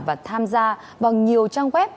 và tham gia vào nhiều trang web